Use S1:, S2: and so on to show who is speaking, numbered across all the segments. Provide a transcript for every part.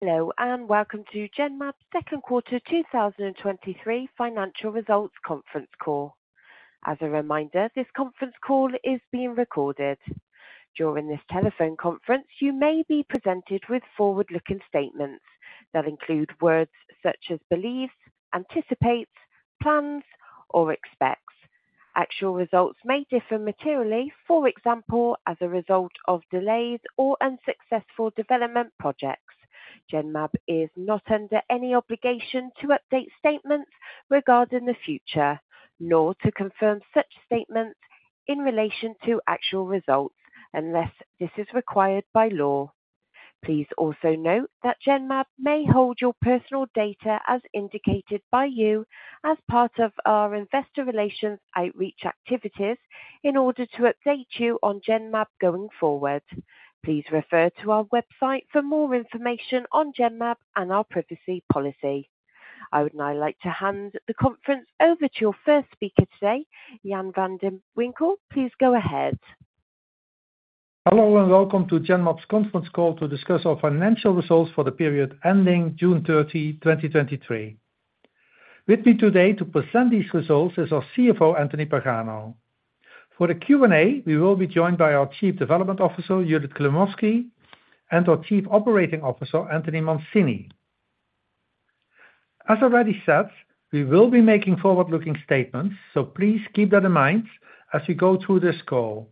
S1: Hello, welcome to Genmab's Q2 2023 financial results conference call. As a reminder, this conference call is being recorded. During this telephone conference, you may be presented with forward-looking statements that include words such as believes, anticipates, plans, or expects. Actual results may differ materially, for example, as a result of delays or unsuccessful development projects. Genmab is not under any obligation to update statements regarding the future, nor to confirm such statements in relation to actual results, unless this is required by law. Please also note that Genmab may hold your personal data as indicated by you as part of our investor relations outreach activities in order to update you on Genmab going forward. Please refer to our website for more information on Genmab and our privacy policy. I would now like to hand the conference over to your first speaker today, Jan van de Winkel. Please go ahead.
S2: Hello, welcome to Genmab's conference call to discuss our financial results for the period ending June 30, 2023. With me today to present these results is our CFO, Anthony Pagano. For the Q&A, we will be joined by our Chief Development Officer, Judith Klimovsky, and our Chief Operating Officer, Anthony Mancini. As I already said, we will be making forward-looking statements, so please keep that in mind as we go through this call.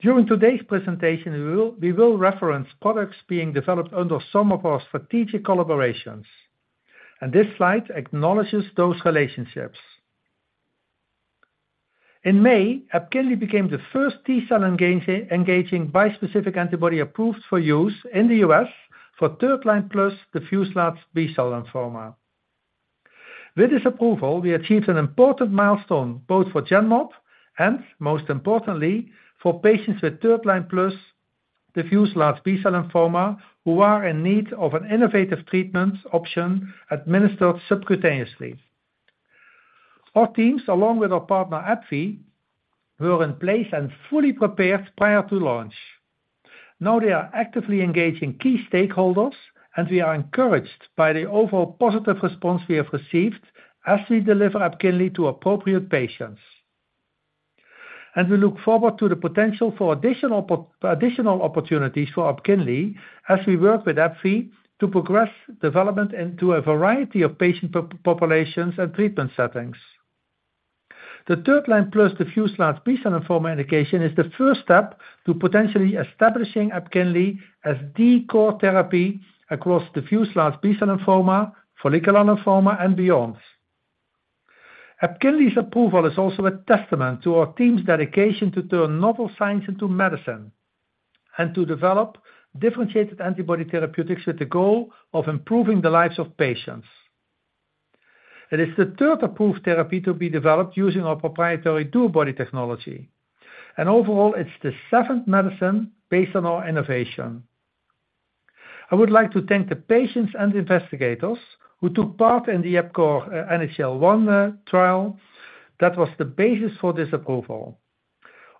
S2: During today's presentation, we will reference products being developed under some of our strategic collaborations, and this slide acknowledges those relationships. In May, Epkinly became the first T-cell–engaging bispecific antibody approved for use in the U.S. for third-line plus diffuse large B-cell lymphoma. With this approval, we achieved an important milestone, both for Genmab and, most importantly, for patients with third-line plus diffuse large B-cell lymphoma, who are in need of an innovative treatment option administered subcutaneously. Our teams, along with our partner, AbbVie, were in place and fully prepared prior to launch. Now they are actively engaging key stakeholders, and we are encouraged by the overall positive response we have received as we deliver Epkinly to appropriate patients. We look forward to the potential for additional opportunities for Epkinly as we work with AbbVie to progress development into a variety of patient populations and treatment settings. The third-line plus diffuse large B-cell lymphoma indication is the first step to potentially establishing Epkinly as the core therapy across diffuse large B-cell lymphoma, follicular lymphoma, and beyond. Epkinly's approval is also a testament to our team's dedication to turn novel science into medicine, and to develop differentiated antibody therapeutics with the goal of improving the lives of patients. It is the third approved therapy to be developed using our proprietary dual-body technology, and overall, it's the seventh medicine based on our innovation. I would like to thank the patients and investigators who took part in the EPCORE NHL-1, trial. That was the basis for this approval.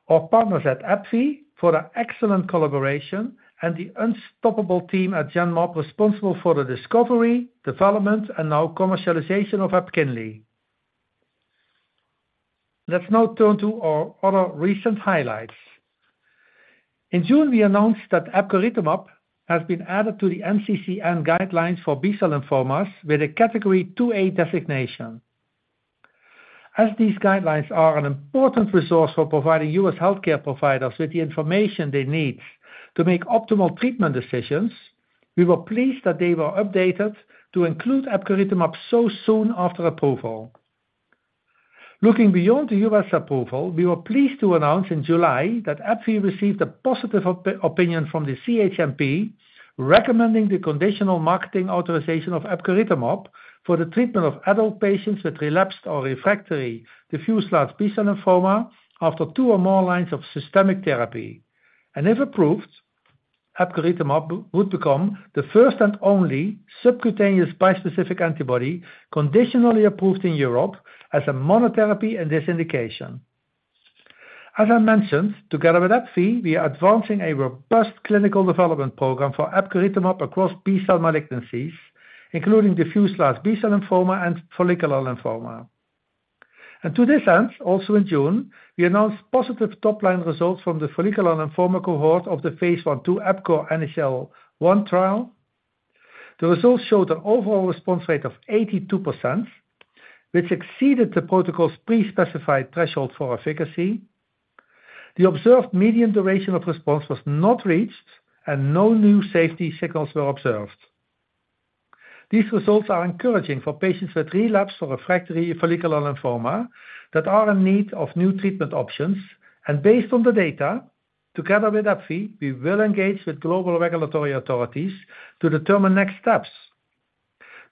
S2: Our partners at AbbVie for their excellent collaboration and the unstoppable team at Genmab, responsible for the discovery, development, and now commercialization of Epkinly. Let's now turn to our other recent highlights. In June, we announced that Epcoritamab has been added to the NCCN guidelines for B-cell lymphomas with a Category 2A designation. As these guidelines are an important resource for providing U.S. healthcare providers with the information they need to make optimal treatment decisions, we were pleased that they were updated to include epcoritamab so soon after approval. Looking beyond the U.S. approval, we were pleased to announce in July that AbbVie received a positive opinion from the CHMP, recommending the conditional marketing authorization of epcoritamab for the treatment of adult patients with relapsed or refractory diffuse large B-cell lymphoma after two or more lines of systemic therapy. If approved, epcoritamab would become the first and only subcutaneous bispecific antibody, conditionally approved in Europe as a monotherapy in this indication. As I mentioned, together with AbbVie, we are advancing a robust clinical development program for epcoritamab across B-cell malignancies, including diffuse large B-cell lymphoma and follicular lymphoma. To this end, also in June, we announced positive top-line results from the follicular lymphoma cohort of the phase 1, 2 EPCORE NHL-1 trial. The results showed an overall response rate of 82%, which exceeded the protocol's pre-specified threshold for efficacy. The observed median duration of response was not reached, and no new safety signals were observed. These results are encouraging for patients with relapsed or refractory follicular lymphoma that are in need of new treatment options, and based on the data, together with AbbVie, we will engage with global regulatory authorities to determine next steps.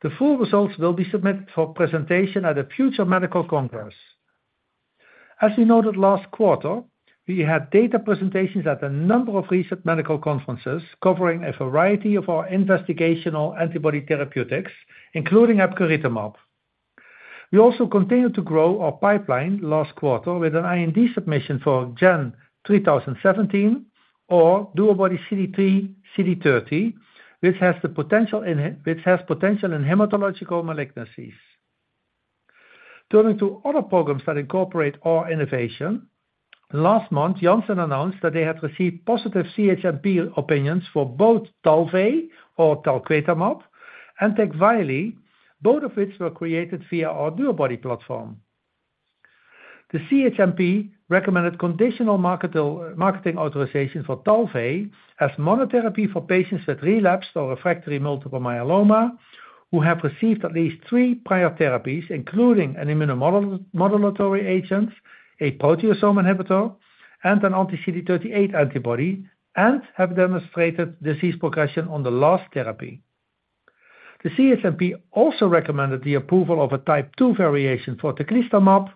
S2: The full results will be submitted for presentation at a future medical conference. As we noted last quarter, we had data presentations at a number of recent medical conferences covering a variety of our investigational antibody therapeutics, including epcoritamab.... We also continued to grow our pipeline last quarter with an IND submission for GEN3017, or DuoBody CD3/CD30, which has potential in hematological malignancies. Turning to other programs that incorporate our innovation, last month, Janssen announced that they had received positive CHMP opinions for both Talvey or talquetamab and Tecvayli, both of which were created via our DuoBody platform. The CHMP recommended conditional marketing authorization for Talvey as monotherapy for patients with relapsed or refractory multiple myeloma, who have received at least 3 prior therapies, including an immunomodulatory agent, a proteasome inhibitor, and an anti-CD38 antibody, and have demonstrated disease progression on the last therapy. The CHMP also recommended the approval of a type two variation for teclistamab,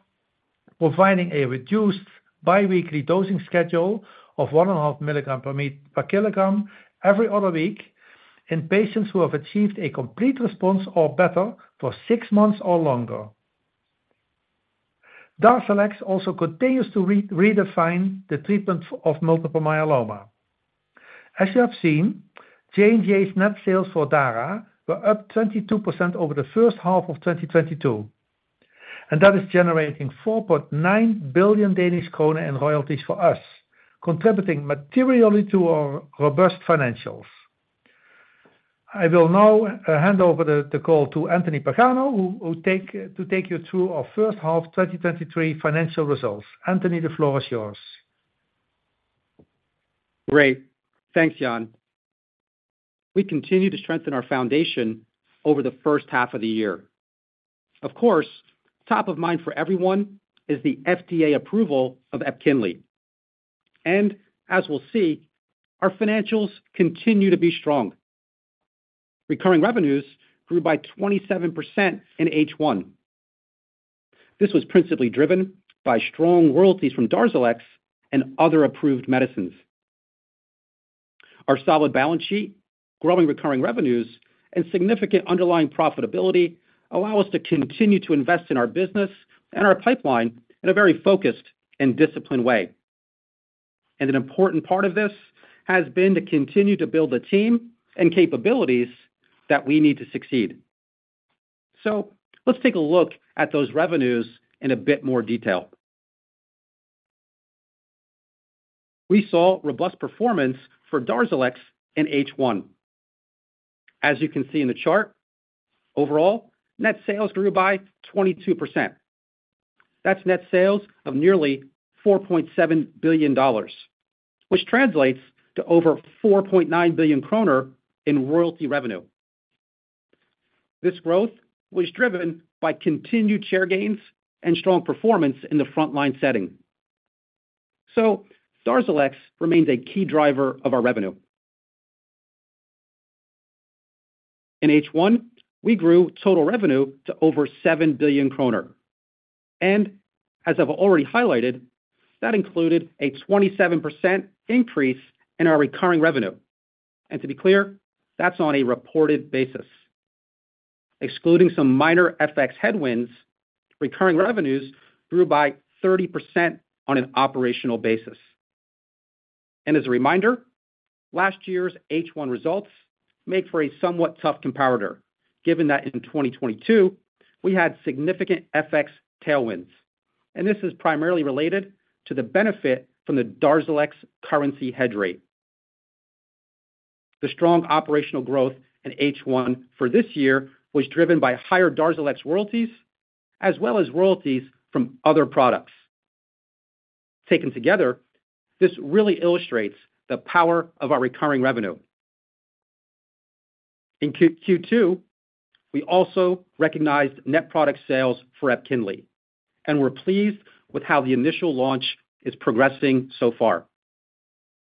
S2: providing a reduced biweekly dosing schedule of one and a half milligram per kilogram every other week in patients who have achieved a complete response or better for six months or longer. Darzalex also continues to redefine the treatment of multiple myeloma. As you have seen, J&J's net sales for DARA were up 22% over the first half of 2022, and that is generating 4.9 billion Danish kroner in royalties for us, contributing materially to our robust financials. I will now hand over the, the call to Anthony Pagano, who will take you through our first half 2023 financial results. Anthony, the floor is yours.
S3: Great. Thanks, Jan. We continue to strengthen our foundation over the first half of the year. Of course, top of mind for everyone is the FDA approval of Epkinly. As we'll see, our financials continue to be strong. Recurring revenues grew by 27% in H1. This was principally driven by strong royalties from Darzalex and other approved medicines. Our solid balance sheet, growing recurring revenues, and significant underlying profitability allow us to continue to invest in our business and our pipeline in a very focused and disciplined way. An important part of this has been to continue to build the team and capabilities that we need to succeed. Let's take a look at those revenues in a bit more detail. We saw robust performance for Darzalex in H1. As you can see in the chart, overall, net sales grew by 22%. That's net sales of nearly $4.7 billion, which translates to over DKK 4.9 billion in royalty revenue. Darzalex remains a key driver of our revenue. In H1, we grew total revenue to over 7 billion kroner, and as I've already highlighted, that included a 27% increase in our recurring revenue. To be clear, that's on a reported basis. Excluding some minor FX headwinds, recurring revenues grew by 30% on an operational basis. As a reminder, last year's H1 results make for a somewhat tough comparator, given that in 2022, we had significant FX tailwinds, and this is primarily related to the benefit from the Darzalex currency hedge rate. The strong operational growth in H1 for this year was driven by higher Darzalex royalties, as well as royalties from other products. Taken together, this really illustrates the power of our recurring revenue. In Q2, we also recognized net product sales for Epkinly, and we're pleased with how the initial launch is progressing so far.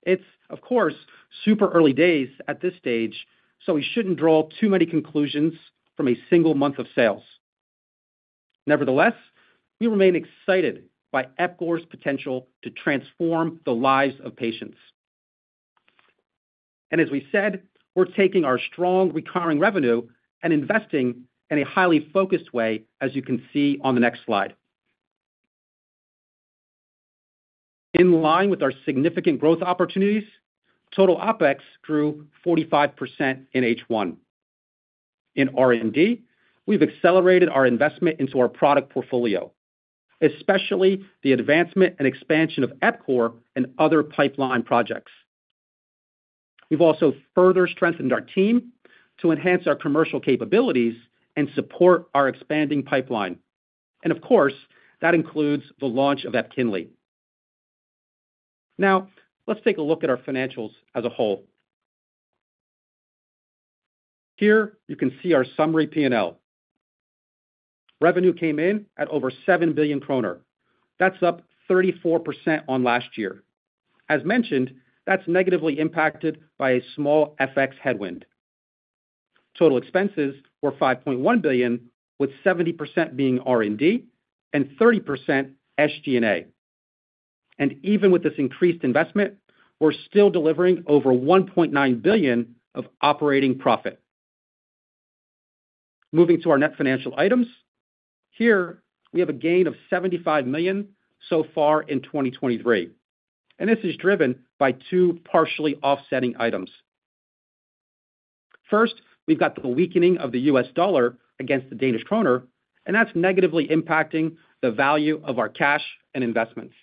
S3: It's, of course, super early days at this stage, so we shouldn't draw too many conclusions from a single month of sales. Nevertheless, we remain excited by Epcor's potential to transform the lives of patients. As we said, we're taking our strong recurring revenue and investing in a highly focused way, as you can see on the next slide. In line with our significant growth opportunities, total OpEx grew 45% in H1. In R&D, we've accelerated our investment into our product portfolio, especially the advancement and expansion of Epcor and other pipeline projects. We've also further strengthened our team to enhance our commercial capabilities and support our expanding pipeline. Of course, that includes the launch of Epkinly. Now, let's take a look at our financials as a whole. Here you can see our summary P&L. Revenue came in at over 7 billion kroner. That's up 34% on last year. As mentioned, that's negatively impacted by a small FX headwind. Total expenses were 5.1 billion, with 70% being R&D and 30% SG&A. Even with this increased investment, we're still delivering over 1.9 billion of operating profit. Moving to our net financial items. Here, we have a gain of 75 million so far in 2023, and this is driven by 2 partially offsetting items. First, we've got the weakening of the US dollar against the Danish kroner. That's negatively impacting the value of our cash and investments.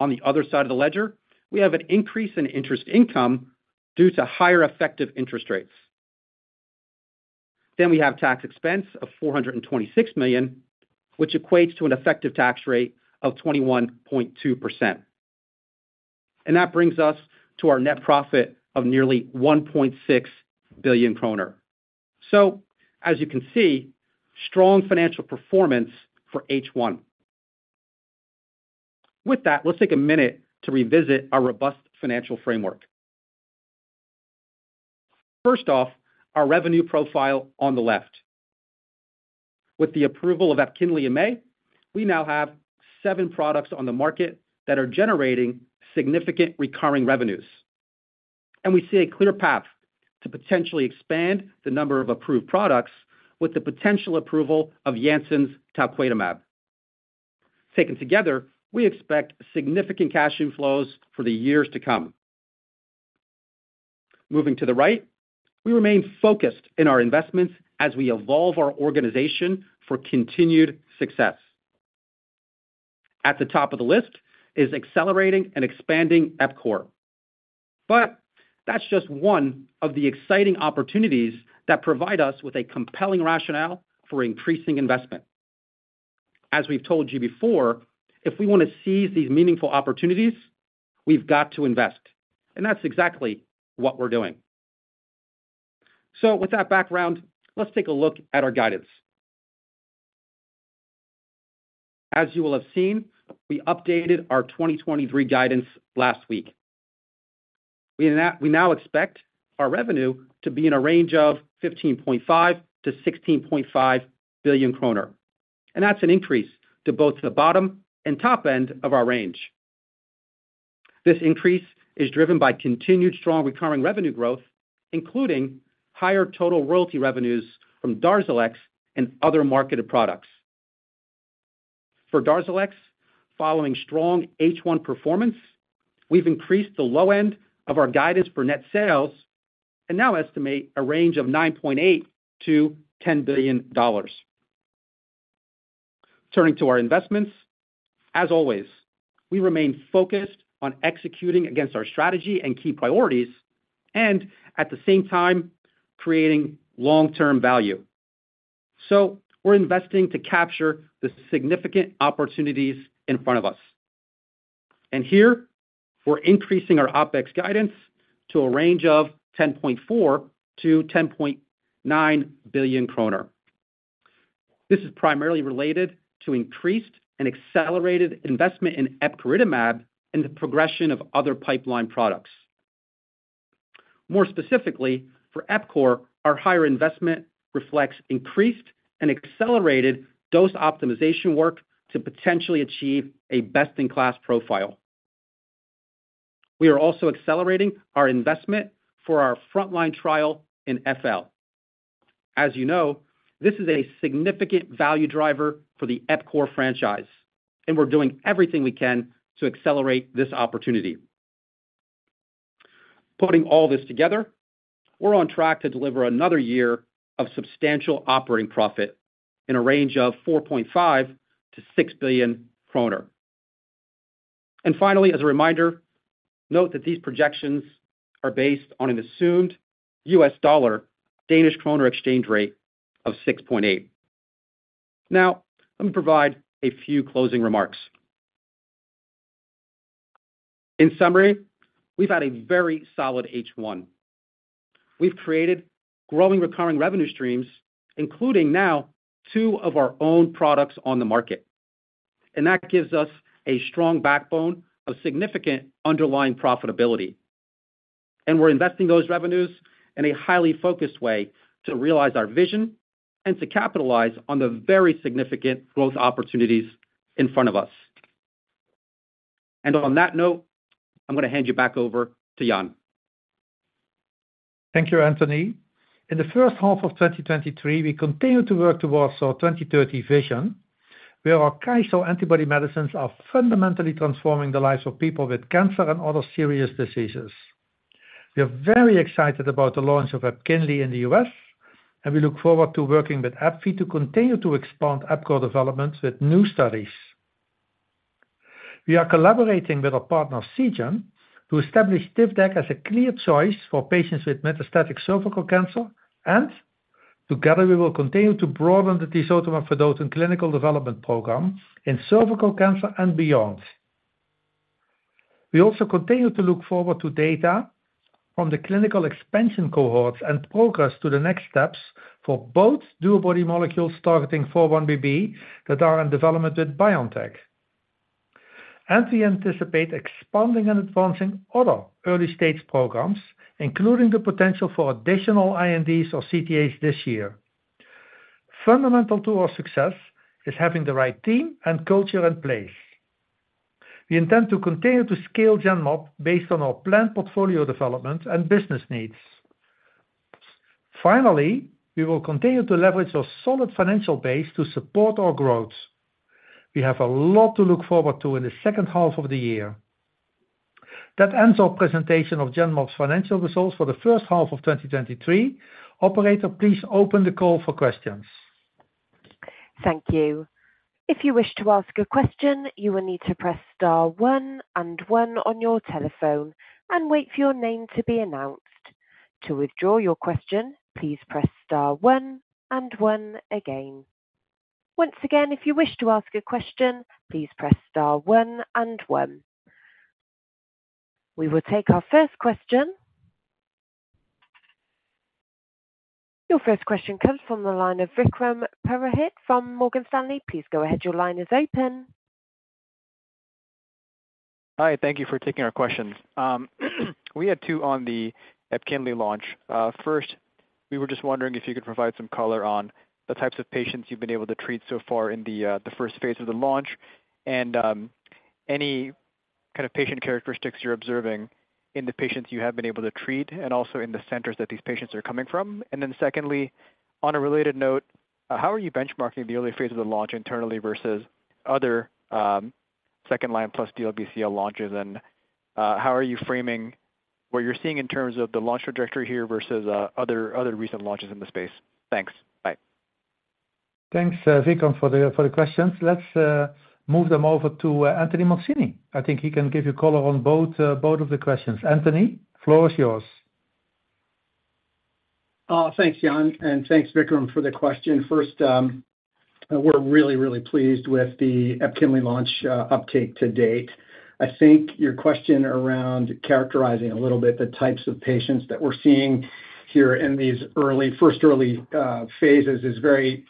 S3: On the other side of the ledger, we have an increase in interest income due to higher effective interest rates. We have tax expense of 426 million, which equates to an effective tax rate of 21.2%. That brings us to our net profit of nearly 1.6 billion kroner. As you can see, strong financial performance for H1. With that, let's take a minute to revisit our robust financial framework. First off, our revenue profile on the left. With the approval of Epkinly in May, we now have seven products on the market that are generating significant recurring revenues. We see a clear path to potentially expand the number of approved products with the potential approval of Janssen's talquetamab. Taken together, we expect significant cash inflows for the years to come. Moving to the right, we remain focused in our investments as we evolve our organization for continued success. At the top of the list is accelerating and expanding Epcor, but that's just one of the exciting opportunities that provide us with a compelling rationale for increasing investment. As we've told you before, if we want to seize these meaningful opportunities, we've got to invest, and that's exactly what we're doing. With that background, let's take a look at our guidance. As you will have seen, we updated our 2023 guidance last week. We now expect our revenue to be in a range of 15.5 billion-16.5 billion kroner. That's an increase to both the bottom and top end of our range. This increase is driven by continued strong recurring revenue growth, including higher total royalty revenues from Darzalex and other marketed products. For Darzalex, following strong H1 performance, we've increased the low end of our guidance for net sales and now estimate a range of $9.8 billion-$10 billion. Turning to our investments. As always, we remain focused on executing against our strategy and key priorities, and at the same time, creating long-term value. We're investing to capture the significant opportunities in front of us. Here, we're increasing our OpEx guidance to a range of 10.4 billion-10.9 billion kroner. This is primarily related to increased and accelerated investment in Epcoritamab and the progression of other pipeline products. More specifically, for Epcor, our higher investment reflects increased and accelerated dose optimization work to potentially achieve a best-in-class profile. We are also accelerating our investment for our frontline trial in FL. As you know, this is a significant value driver for the Epcor franchise, and we're doing everything we can to accelerate this opportunity. Putting all this together, we're on track to deliver another year of substantial operating profit in a range of 4.5 billion-6 billion kroner. Finally, as a reminder, note that these projections are based on an assumed US dollar, Danish kroner exchange rate of 6.8. Now, let me provide a few closing remarks. In summary, we've had a very solid H1. We've created growing recurring revenue streams, including now two of our own products on the market, and that gives us a strong backbone of significant underlying profitability. We're investing those revenues in a highly focused way to realize our vision and to capitalize on the very significant growth opportunities in front of us. On that note, I'm going to hand you back over to Jan.
S2: Thank you, Anthony. In the first half of 2023, we continued to work towards our 2030 vision, where our KYSO antibody medicines are fundamentally transforming the lives of people with cancer and other serious diseases. We are very excited about the launch of Epkinly in the U.S., and we look forward to working with AbbVie to continue to expand Epcor development with new studies. We are collaborating with our partner, Seagen, to establish Tivdak as a clear choice for patients with metastatic cervical cancer, and together, we will continue to broaden the tisotumab vedotin in the clinical development program in cervical cancer and beyond. We also continue to look forward to data from the clinical expansion cohorts and progress to the next steps for both DuoBody molecules targeting 4-1BB that are in development with BioNTech. We anticipate expanding and advancing other early-stage programs, including the potential for additional INDs or CTAs this year. Fundamental to our success is having the right team and culture in place. We intend to continue to scale Genmab based on our planned portfolio development and business needs. Finally, we will continue to leverage our solid financial base to support our growth. We have a lot to look forward to in the second half of the year. That ends our presentation of Genmab's financial results for the first half of 2023. Operator, please open the call for questions.
S1: Thank you. If you wish to ask a question, you will need to press star one and one on your telephone and wait for your name to be announced. To withdraw your question, please press star one and one again. Once again, if you wish to ask a question, please press star one and one. We will take our first question. Your first question comes from the line of Vikram Purohit from Morgan Stanley. Please go ahead. Your line is open.
S4: Hi, thank you for taking our questions. We had two on the Epkinly launch. First, we were just wondering if you could provide some color on the types of patients you've been able to treat so far in the first phase of the launch, and any kind of patient characteristics you're observing in the patients you have been able to treat and also in the centers that these patients are coming from? Secondly, on a related note, how are you benchmarking the early phase of the launch internally versus other second line plus DLBCL launches? How are you framing what you're seeing in terms of the launch trajectory here versus other, other recent launches in the space? Thanks. Bye.
S2: Thanks, Vikram, for the, for the questions. Let's move them over to Anthony Mancini. I think he can give you color on both, both of the questions. Anthony, floor is yours.
S5: Thanks, Jan, and thanks, Vikram, for the question. First, we're really, really pleased with the Epkinly launch, uptake to date. I think your question around characterizing a little bit the types of patients that we're seeing here in these early, first phases is very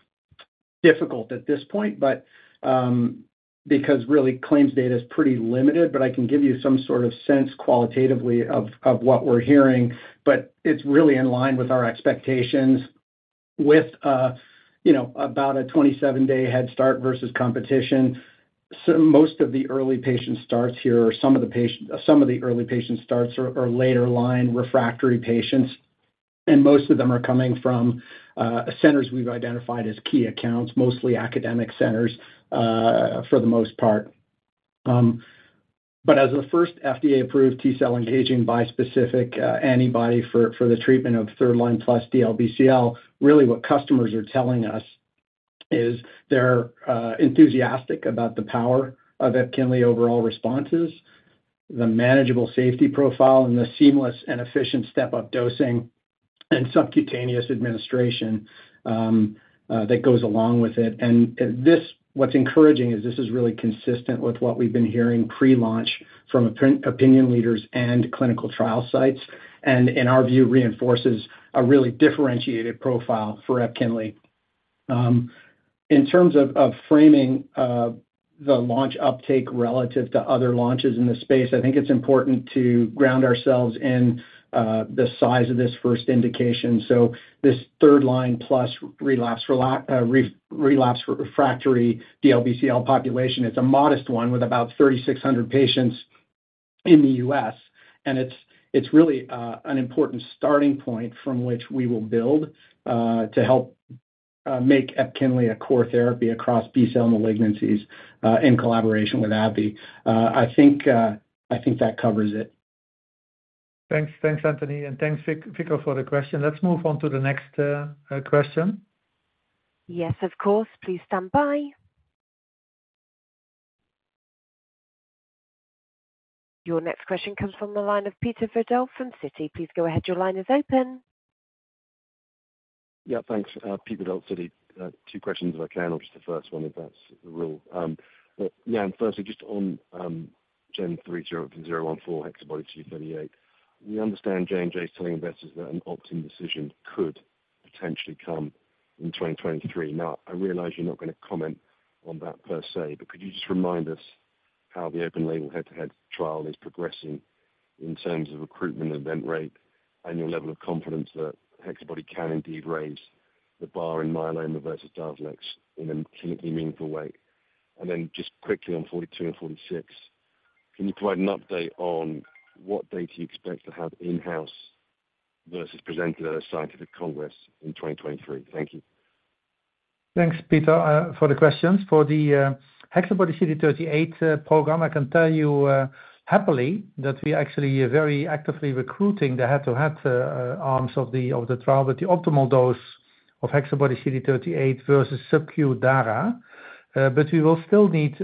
S5: difficult at this point, but because really claims data is pretty limited, but I can give you some sort of sense qualitatively of what we're hearing. It's really in line with our expectations with, you know, about a 27-day head start versus competition. Most of the early patient starts here, or some of the early patient starts are later line refractory patients, and most of them are coming from, centers we've identified as key accounts, mostly academic centers, for the most part. As the first FDA-approved T-cell engaging bispecific, antibody for the treatment of third line plus DLBCL, really what customers are telling us is they're enthusiastic about the power of Epkinly overall responses, the manageable safety profile, and the seamless and efficient step-up dosing and subcutaneous administration that goes along with it. This, what's encouraging is this is really consistent with what we've been hearing pre-launch from opinion leaders and clinical trial sites, and in our view, reinforces a really differentiated profile for Epkinly. In terms of, of framing, the launch uptake relative to other launches in the space, I think it's important to ground ourselves in, the size of this first indication. This third line plus relapse refractory DLBCL population, it's a modest one with about 3,600 patients in the US, and it's, it's really an important starting point from which we will build to help make Epkinly a core therapy across B-cell malignancies in collaboration with AbbVie. I think that covers it.
S2: Thanks, Anthony, and thanks, Vikram, for the question. Let's move on to the next question.
S1: Yes, of course. Please stand by. Your next question comes from the line of Peter Verdult from Citi. Please go ahead. Your line is open.
S6: Yeah, thanks. Peter Verdult, Citi. Two questions if I can, or just the first one, if that's the rule. But yeah, firstly, just on GEN3014 HexaBody CD38, we understand J&J is telling investors that an opt-in decision could potentially come in 2023. Now, I realize you're not going to comment on that per se, but could you just remind us how the open label head-to-head trial is progressing in terms of recruitment, event rate, and your level of confidence that hexabody can indeed raise the bar in myeloma versus Darzalex in a clinically meaningful way? Then just quickly on 42 and 46, can you provide an update on what data you expect to have in-house versus presented at a scientific congress in 2023? Thank you.
S2: Thanks, Peter, for the questions. For the HexaBody CD38 program, I can tell you happily that we actually are very actively recruiting the head-to-head arms of the trial with the optimal dose of HexaBody CD38 versus subQ DARA, but we will still need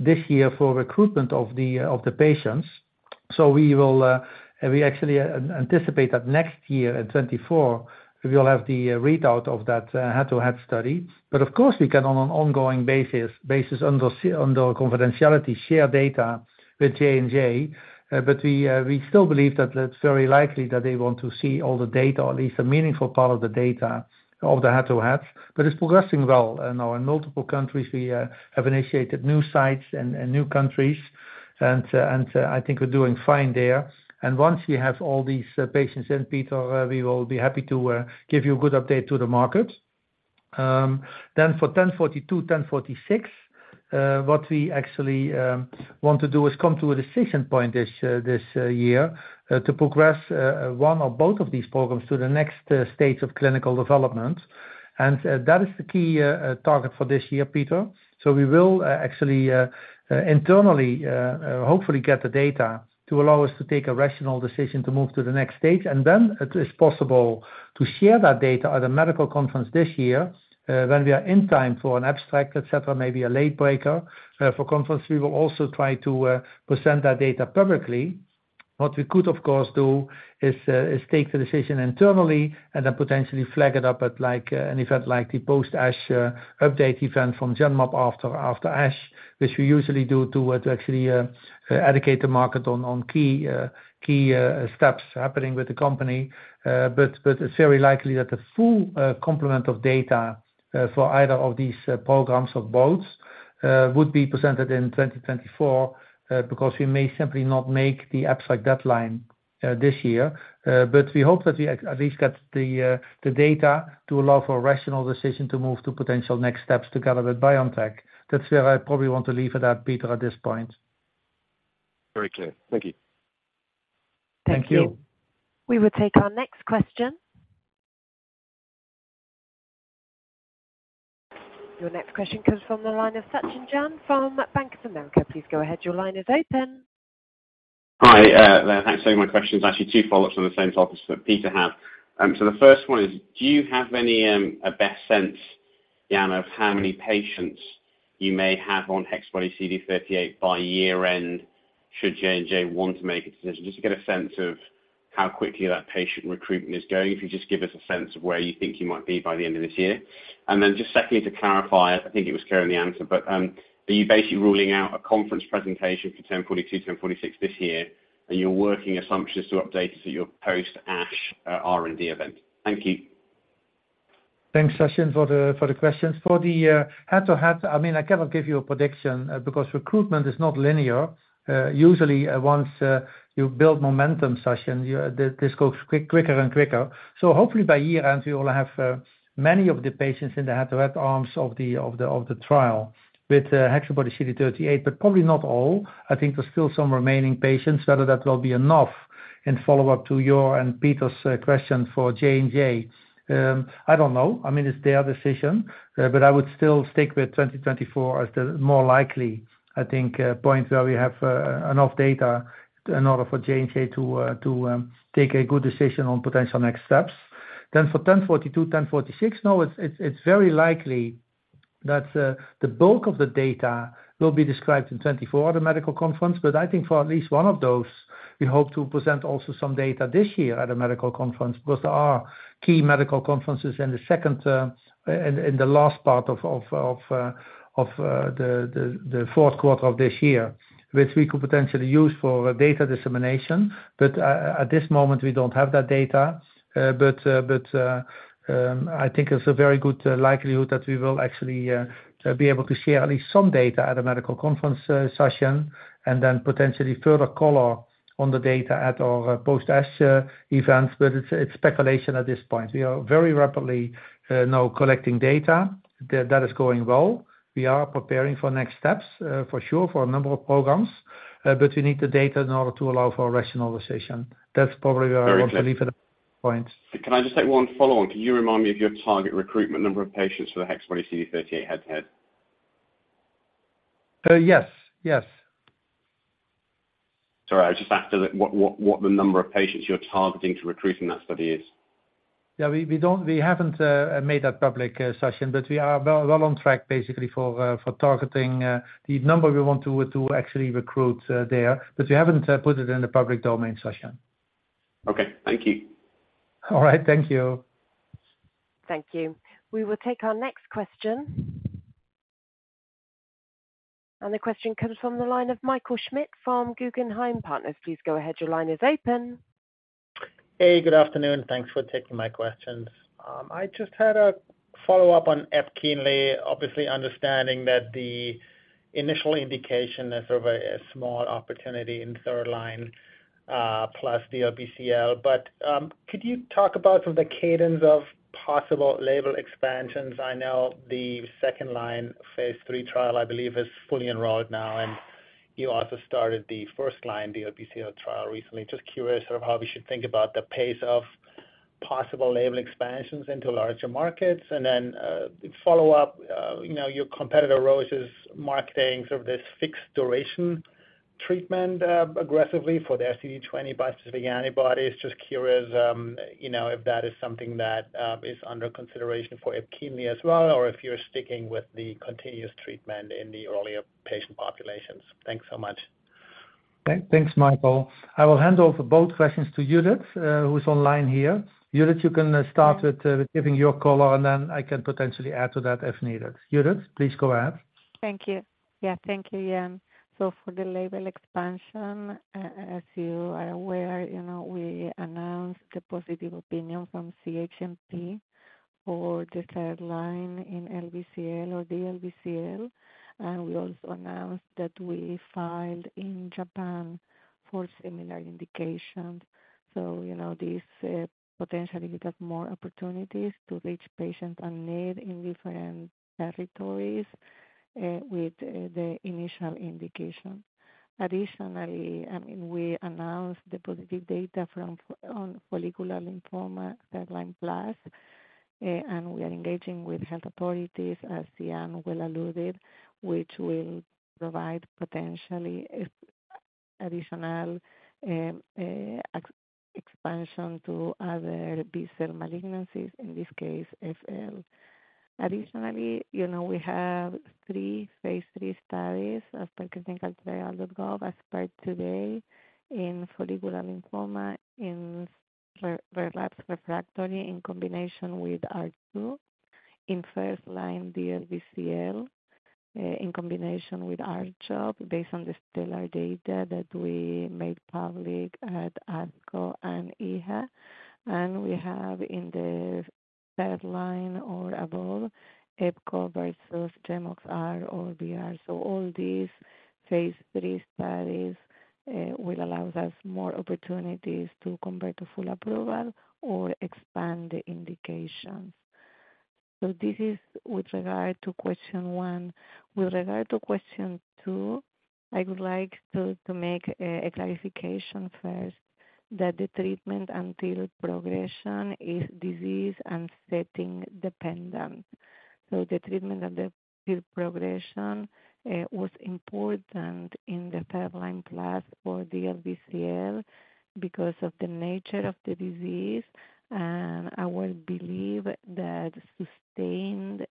S2: this year for recruitment of the patients. We will actually anticipate that next year in 2024, we will have the readout of that head-to-head study. Of course, we can on an ongoing basis, under confidentiality, share data with J&J, but we still believe that it's very likely that they want to see all the data, or at least a meaningful part of the data of the head-to-head. It's progressing well, and now in multiple countries, we have initiated new sites and new countries. I think we're doing fine there. Once we have all these patients in, Peter, we will be happy to give you a good update to the market. For 1042, 1046, what we actually want to do is come to a decision point this year, to progress one or both of these programs to the next stage of clinical development. That is the key target for this year, Peter. We will internally, hopefully get the data to allow us to take a rational decision to move to the next stage, and then it is possible to share that data at a medical conference this year, when we are in time for an abstract, et cetera, maybe a late breaker. For conference, we will also try to present that data publicly. What we could, of course, do is take the decision internally and then potentially flag it up at, like, an event like the Post ASH update event from Genmab after, after ASH, which we usually do to actually educate the market on, on key, key, steps happening with the company. It's very likely that the full complement of data for either of these programs or both would be presented in 2024 because we may simply not make the abstract deadline this year. We hope that we at least get the data to allow for a rational decision to move to potential next steps together with BioNTech. That's where I probably want to leave it at, Peter, at this point.
S6: Very clear. Thank you.
S2: Thank you.
S1: Thank you. We will take our next question. Your next question comes from the line of Sachin Jain from Bank of America. Please go ahead. Your line is open.
S7: Hi, thanks. My question is actually two follow-ups on the same topics that Peter had. The first one is, do you have any, a best sense, Jan, of how many patients you may have HexaBody CD38 by year end, should J&J want to make a decision? Just to get a sense of how quickly that patient recruitment is going. If you just give us a sense of where you think you might be by the end of this year. Just secondly, to clarify, I think it was clear in the answer, but, are you basically ruling out a conference presentation for 1042, 1046 this year, and your working assumption is to update us at your post ASH, R&D event? Thank you.
S2: Thanks, Sachin, for the, for the questions. For the head-to-head, I mean, I cannot give you a prediction because recruitment is not linear. Usually, once you build momentum, Sachin, you know, this, this goes quicker and quicker. Hopefully by year-end, we will have many of the patients in the head-to-head arms of the, of the, of the trial HexaBody CD38, but probably not all. I think there are still some remaining patients. Whether that will be enough, in follow-up to your and Peter's question for J&J, I don't know. I mean, it's their decision, but I would still stick with 2024 as the more likely, I think, point where we have enough data in order for J&J to take a good decision on potential next steps. For 1042, 1046, now, it's, it's, it's very likely that the bulk of the data will be described in 2024 at the medical conference. I think for at least one of those, we hope to present also some data this year at a medical conference, because there are key medical conferences in the second term, in the last part of the fourth quarter of this year, which we could potentially use for data dissemination. At this moment, we don't have that data. I think it's a very good likelihood that we will actually be able to share at least some data at a medical conference session, and then potentially further color on the data at our post ASH events, but it's, it's speculation at this point. We are very rapidly now collecting data. That, that is going well. We are preparing for next steps for a number of programs, but we need the data in order to allow for a rational decision. That's probably where I want to leave at this point.
S7: Can I just take one follow-on? Can you remind me of your target recruitment number of patients for HexaBody CD38 head-to-head?
S2: Yes. Yes.
S7: Sorry, I was just after what the number of patients you're targeting to recruit in that study is?
S2: Yeah, we haven't made that public, Sachin, but we are well, well on track, basically for targeting the number we want to, to actually recruit there, but we haven't put it in the public domain, Sachin.
S7: Okay. Thank you.
S2: All right. Thank you.
S1: Thank you. We will take our next question. The question comes from the line of Michael Schmidt from Guggenheim Partners. Please go ahead. Your line is open.
S8: Hey, good afternoon. Thanks for taking my questions. I just had a follow-up on Epkinly, obviously understanding that the initial indication is of a, a small opportunity in third line plus DLBCL, but could you talk about some of the cadence of possible label expansions? I know the second line phase 3 trial, I believe, is fully enrolled now, and you also started the first line DLBCL trial recently. Just curious of how we should think about the pace of possible label expansions into larger markets. Then, follow up, you know, your competitor, Roche, is marketing sort of this fixed duration treatment aggressively for their CD20 bispecific antibody. Just curious, you know, if that is something that is under consideration for Epkinly as well, or if you're sticking with the continuous treatment in the earlier patient populations. Thanks so much.
S2: Thank, thanks, Michael. I will hand over both questions to Judith, who is on line here. Judith, you can start with giving your call, and then I can potentially add to that if needed. Judith, please go ahead.
S9: Thank you. Yeah, thank you, Jan. For the label expansion, as you are aware, you know, we announced the positive opinion from CHMP for the third line in LBCL or DLBCL. We also announced that we filed in Japan for similar indications. You know, this potentially gives us more opportunities to reach patients unmet in different territories with the initial indication. Additionally, I mean, we announced the positive data from on follicular lymphoma, third-line plus, and we are engaging with health authorities, as Jan well alluded, which will provide potentially additional expansion to other B-cell malignancies, in this case, FL. Additionally, you know, we have three phase three studies as per clinicaltrials.gov, as per today in follicular lymphoma, in relapse refractory in combination with R2, in first line DLBCL, in combination with R-CHOP, based on the stellar data that we made public at ASCO and EHA. We have in the third line or above, EPCO versus GemOx-R or VR.All these phase 3 studies will allow us more opportunities to compare to full approval or expand the indications. This is with regard to question 1. With regard to question 2, I would like to make a clarification first, that the treatment until progression is disease and setting dependent. The treatment of the progression was important in the pipeline plus for DLBCL because of the nature of the disease, and I would believe that sustained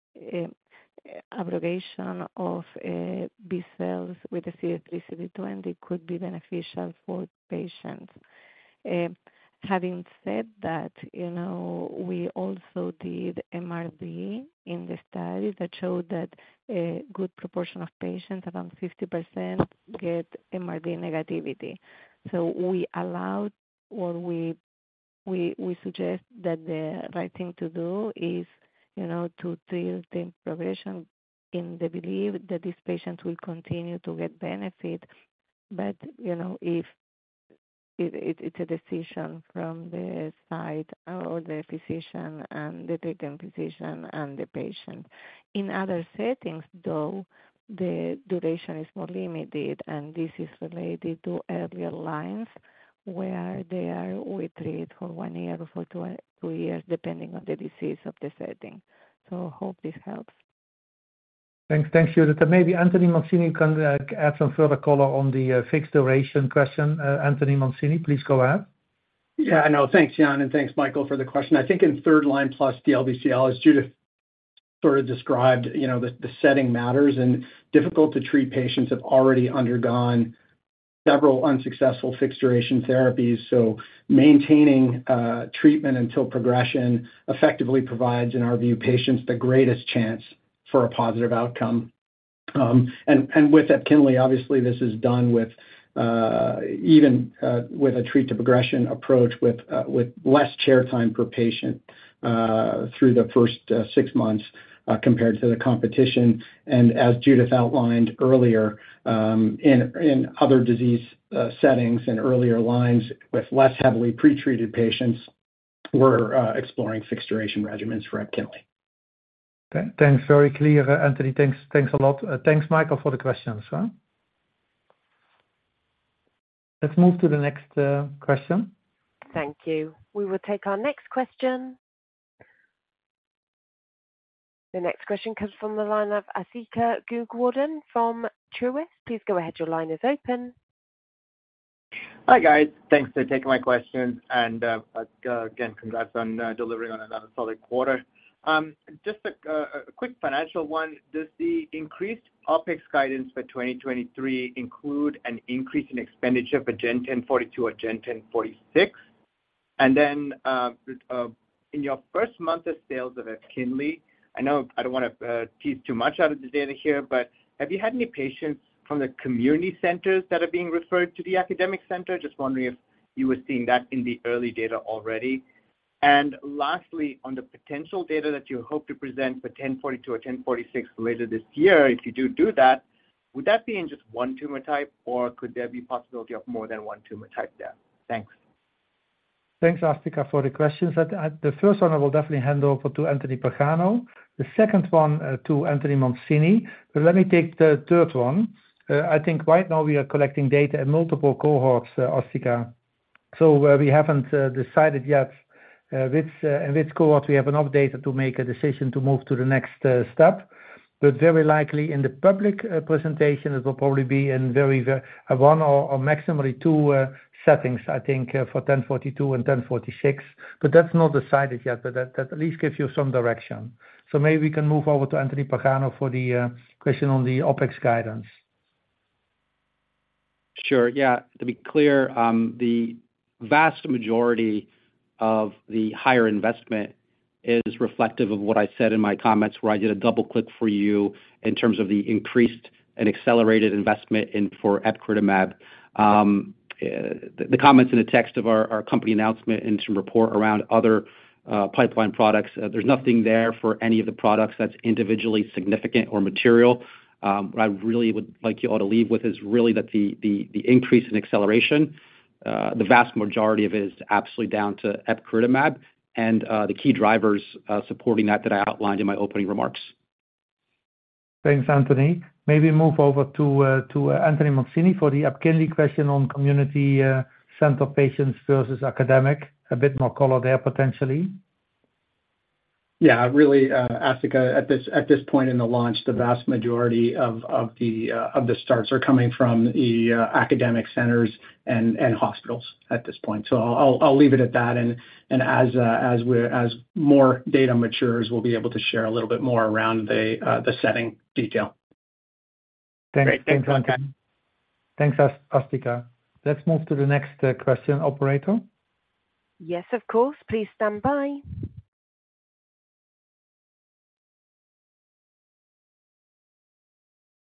S9: aggregation of B-cells with the CD20, it could be beneficial for patients. Having said that, you know, we also did MRD in the study that showed that a good proportion of patients, around 50%, get MRD negativity. We allowed, or we suggest that the right thing to do is, you know, to treat the progression in the belief that these patients will continue to get benefit. You know, if it's a decision from the side or the physician and the treating physician and the patient. In other settings, though, the duration is more limited, and this is related to earlier lines where they are, we treat for 1 year or for 2, 2 years, depending on the disease of the setting. I hope this helps.
S2: Thanks. Thank you, Judith. Maybe Anthony Mancini can add some further color on the fixed duration question. Anthony Mancini, please go ahead.
S5: Yeah, I know. Thanks, Jan, and thanks, Michael, for the question. I think in third line plus DLBCL, as Judith sort of described, you know, the setting matters and difficult to treat patients have already undergone several unsuccessful fixed duration therapies, so maintaining treatment until progression effectively provides, in our view, patients the greatest chance for a positive outcome. With Epkinly, obviously, this is done with even with a treat to progression approach with less chair time per patient through the first six months compared to the competition. As Judith outlined earlier, in other disease settings and earlier lines with less heavily pretreated patients, we're exploring fixed duration regimens for Epkinly.
S2: Okay, thanks. Very clear, Anthony. Thanks, thanks a lot. Thanks, Michael, for the questions. Let's move to the next question.
S1: Thank you. We will take our next question. The next question comes from the line of Asthika Goonewardene
S10: Hi, guys. Thanks for taking my question. Again, congrats on delivering on another solid quarter. Just a quick financial one: Does the increased OpEx guidance for 2023 include an increase in expenditure for GEN1042 or GEN1046? In your first month of sales of epkinly, I know I don't want to tease too much out of the data here, but have you had any patients from the community centers that are being referred to the academic center? Just wondering if you were seeing that in the early data already. Lastly, on the potential data that you hope to present for GEN1042 or GEN1046 later this year, if you do do that, would that be in just one tumor type, or could there be possibility of more than one tumor type there? Thanks.
S2: Thanks, Asthika, for the questions. At the first one, I will definitely hand over to Anthony Pagano, the second one, to Anthony Mancini, but let me take the third one. I think right now we are collecting data in multiple cohorts, Asthika, so we haven't decided yet which which cohort we have enough data to make a decision to move to the next step. Very likely in the public presentation, it will probably be in 1 or, or maximally 2 settings, I think, for GEN1042 and GEN1046, but that's not decided yet, but that at least gives you some direction. Maybe we can move over to Anthony Pagano for the question on the OpEx guidance.
S3: Sure. Yeah, to be clear, the vast majority of the higher investment is reflective of what I said in my comments, where I did a double click for you in terms of the increased and accelerated investment in for epcoritamab. The comments in the text of our, our company announcement and some report around other pipeline products, there's nothing there for any of the products that's individually significant or material. What I really would like you all to leave with is really that the, the, the increase in acceleration, the vast majority of it is absolutely down to epcoritamab and the key drivers supporting that, that I outlined in my opening remarks.
S2: Thanks, Anthony. Maybe move over to to Anthony Mancini for the Epkinly question on community center patients versus academic. A bit more color there, potentially.
S5: Yeah, really, Asthika, at this, at this point in the launch, the vast majority of, of the, of the starts are coming from the, academic centers and, and hospitals at this point. I'll, I'll leave it at that, and, and as, as more data matures, we'll be able to share a little bit more around the, the setting detail.
S2: Thanks, Anthony. Thanks, Asthika. Let's move to the next question, operator.
S1: Yes, of course. Please stand by.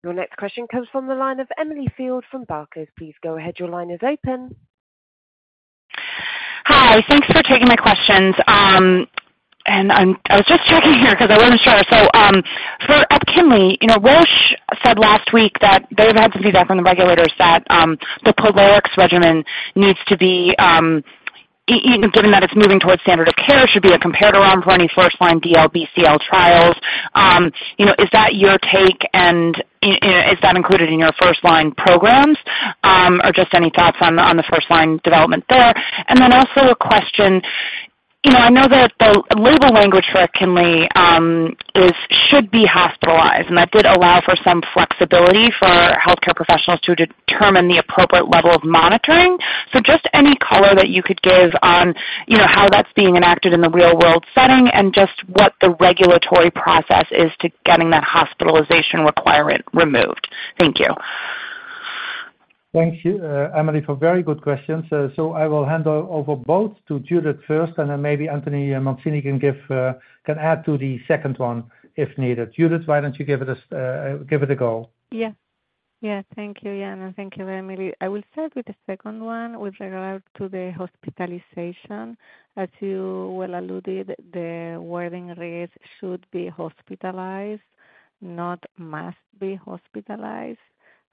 S1: Your next question comes from the line of Emily Field from Barclays. Please go ahead. Your line is open.
S11: Hi. Thanks for taking my questions. I was just checking here 'cause I wasn't sure. For Epkinly, you know, Roche said last week that they've had some feedback from the regulators that the Polox regimen needs to be even given that it's moving towards standard of care, should be a comparator arm for any first-line DLBCL trials. You know, is that your take, and is that included in your first line programs? Just any thoughts on the, on the first line development there? Then also a question, you know, I know that the label language for Epkinly is, should be hospitalized, and that did allow for some flexibility for healthcare professionals to determine the appropriate level of monitoring. Just any color that you could give on, you know, how that's being enacted in the real-world setting, and just what the regulatory process is to getting that hospitalization requirement removed. Thank you.
S2: Thank you, Emily, for very good questions. I will hand over both to Judith first, and then maybe Anthony Mancini can give, can add to the second one, if needed. Judith, why don't you give it a go?
S9: Yeah. Yeah, thank you, Jan. Thank you, Emily. I will start with the second one with regard to the hospitalization. As you well alluded, the wording reads, "should be hospitalized," not "must be hospitalized."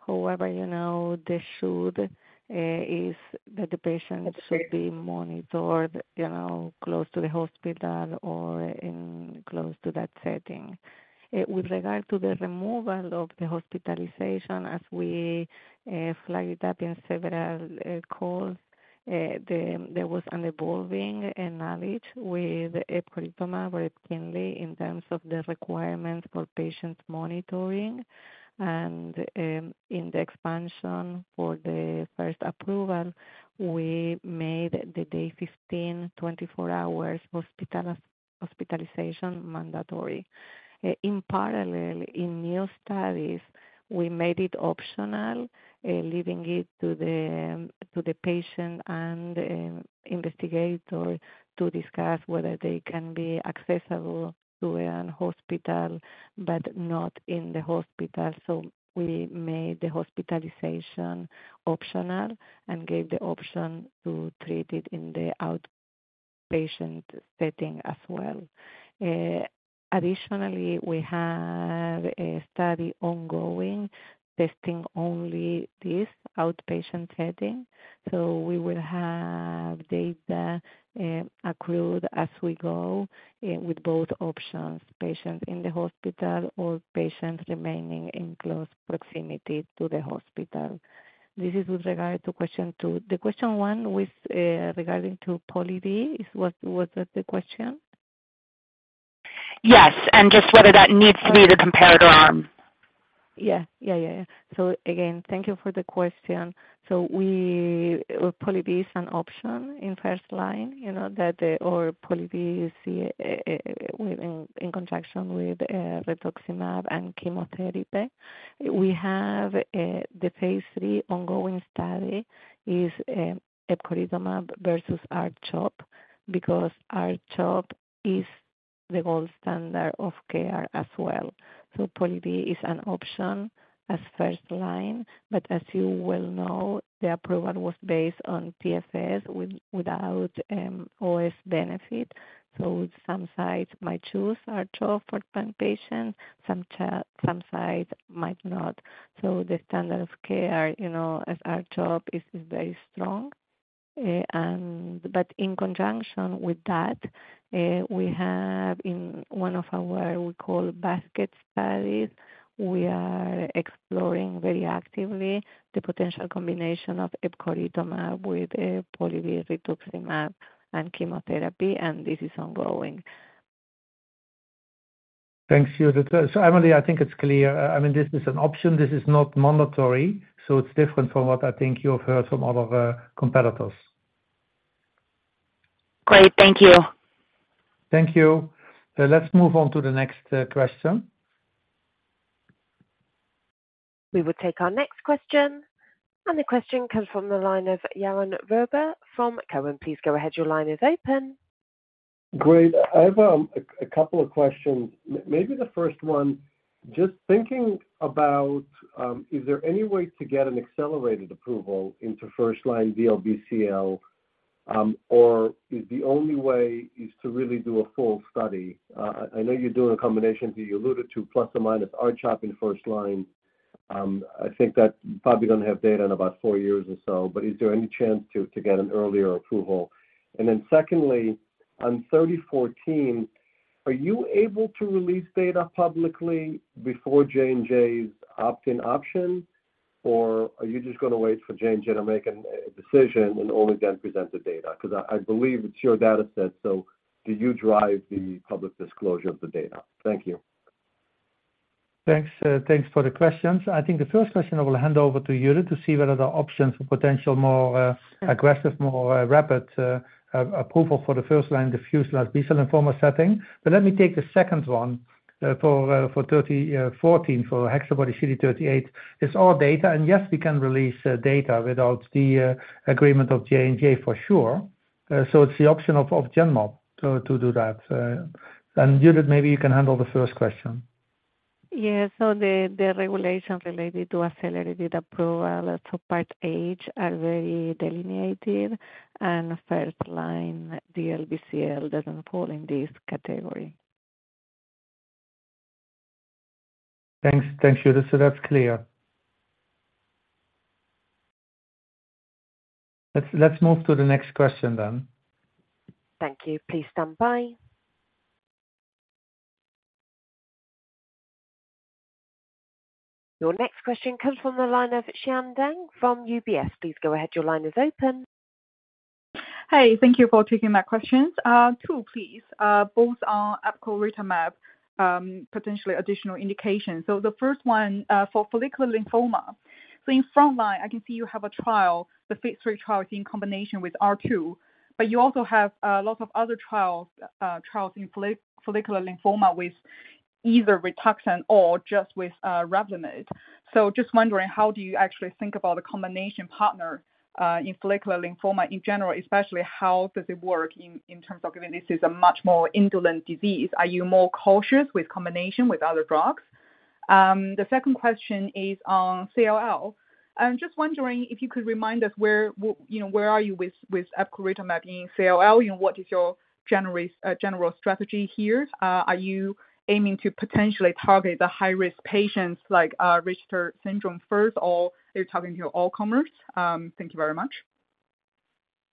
S9: However, you know, the should is that the patient should be monitored, you know, close to the hospital or in close to that setting. With regard to the removal of the hospitalization, as we flagged it up in several calls, there was an evolving and knowledge with epcoritamab or Epkinly in terms of the requirements for patients' monitoring. In the expansion for the first approval, we made the day 15, 24 hours hospitalization mandatory. In parallel, in new studies, we made it optional, leaving it to the patient and investigator to discuss whether they can be accessible to a hospital, but not in the hospital. We made the hospitalization optional and gave the option to treat it in the outpatient setting as well. Additionally, we have a study ongoing testing only this outpatient setting, so we will have data accrued as we go, with both options, patients in the hospital or patients remaining in close proximity to the hospital. This is with regard to question two. The question one, with, regarding to POLIVY, is what, was that the question?
S11: Yes, and just whether that needs to be the comparator arm.
S9: Yeah. Yeah, yeah, yeah. Again, thank you for the question. Well, POLIVY is an option in first line, you know, that, or POLIVY you see, with, in conjunction with rituximab and chemotherapy. We have the phase 3 ongoing study is epcoritamab versus R-CHOP, because R-CHOP is the gold standard of care as well. POLIVY is an option as first line, but as you well know, the approval was based on PFS without OS benefit. Some sites might choose R-CHOP for patient, some sites might not. The standard of care, you know, as R-CHOP is, is very strong. In conjunction with that, we have in one of our, we call basket studies, we are exploring very actively the potential combination of epcoritamab with POLIVY rituximab and chemotherapy, and this is ongoing.
S2: Thanks, Judith. Emily, I think it's clear, I mean, this is an option. This is not mandatory, so it's different from what I think you have heard from other competitors.
S11: Great. Thank you.
S2: Thank you. Let's move on to the next question.
S1: We will take our next question. The question comes from the line of Yaron Werber from Cowen. Please go ahead. Your line is open.
S12: Great. I have a, a couple of questions. Maybe the first one, just thinking about, is there any way to get an accelerated approval into first-line DLBCL, or is the only way is to really do a full study? I know you're doing a combination, that you alluded to, plus or minus R-CHOP in first-line. I think that probably doesn't have data in about 4 years or so, but is there any chance to, to get an earlier approval? Then secondly, on 3014, are you able to release data publicly before J&J's opt-in option, or are you just gonna wait for J&J to make an, a decision and only then present the data? 'Cause I, I believe it's your dataset, so do you drive the public disclosure of the data? Thank you.
S2: Thanks, thanks for the questions. I think the first question I will hand over to Judith to see whether there are options for potential more aggressive, more rapid approval for the first line diffuse large B-cell lymphoma setting. Let me take the second one for for 3014 for HexaBody CD38. It's our data, and yes, we can release data without the agreement of J&J for sure. It's the option of Genmab to do that. Judith, maybe you can handle the first question.
S9: Yeah. The regulations related to accelerated approval, so part H, are very delineated, and first-line DLBCL doesn't fall in this category.
S2: Thanks. Thank you, so that's clear. Let's move to the next question then.
S1: Thank you. Please stand by. Your next question comes from the line of Xian Deng from UBS. Please go ahead. Your line is open.
S13: Hey, thank you for taking my questions. Two, please, both on epcoritamab, potentially additional indications. The first one, for follicular lymphoma. In front line, I can see you have a trial, the phase 3 trial in combination with R2, but you also have lots of other trials, trials in follicular lymphoma with either Rituxan or just with Revlimid. Just wondering, how do you actually think about a combination partner in follicular lymphoma in general, especially how does it work in, in terms of, I mean, this is a much more indolent disease? Are you more cautious with combination with other drugs? The second question is on CLL. I'm just wondering if you could remind us where, you know, where are you with, with epcoritamab in CLL, and what is your general strategy here? Are you aiming to potentially target the high-risk patients, like, Richter syndrome first, or are you targeting your all comers? Thank you very much.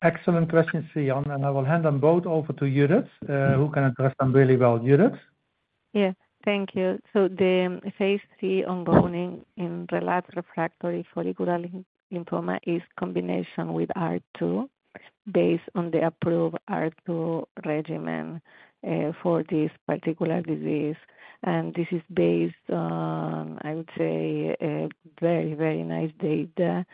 S2: Excellent questions, Xian, I will hand them both over to Judith, who can address them really well. Judith?
S9: Yeah. Thank you. The phase 3 ongoing in relapse refractory follicular lymphoma is combination with R2, based on the approved R2 regimen, for this particular disease. This is based on, I would say, a very, very nice data,